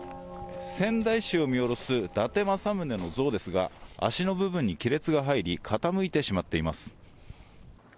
仙台市を見下ろす伊達政宗の像ですが、足の部分に亀裂が入り、傾いてしまっています。